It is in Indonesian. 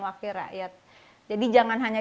wakil rakyat jadi jangan hanya